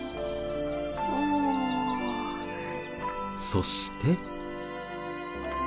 そして。